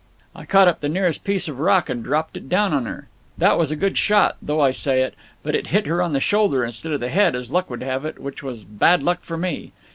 I caught up the nearest piece of rock and dropped it down on her. That was a good shot, though I say it, but it hit her on the shoulder instead of the head as luck would have it, which was bad luck for me.